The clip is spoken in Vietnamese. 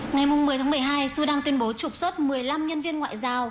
ngày một mươi tháng một mươi hai sudan tuyên bố trục xuất một mươi năm nhân viên ngoại giao